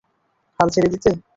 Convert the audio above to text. হাল ছেড়ে দিত?